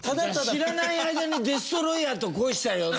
知らない間にデストロイヤーと恋したようなもんだ。